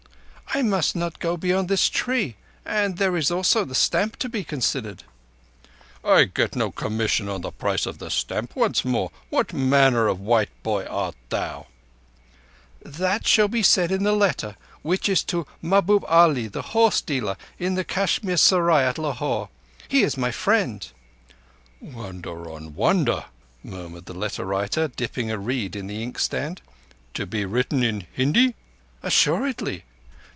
I must not go beyond this tree, and there is also the stamp to be considered." "I get no commission on the price of the stamp. Once more, what manner of white boy art thou?" "That shall be said in the letter, which is to Mahbub Ali, the horse dealer in the Kashmir Serai, at Lahore. He is my friend." "Wonder on wonder!" murmured the letter writer, dipping a reed in the inkstand. "To be written in Hindi?" "Assuredly.